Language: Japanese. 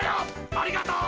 ありがとう！